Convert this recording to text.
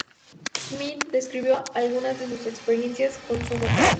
Schmidt describió algunas de sus experiencias con sumo detalle.